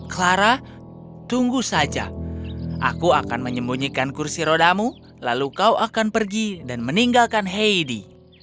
clara tunggu saja aku akan menyembunyikan kursi rodamu lalu kau akan pergi dan meninggalkan heidi